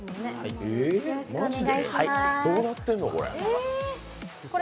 どうなってんの、これ。